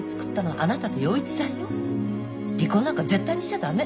離婚なんか絶対にしちゃ駄目。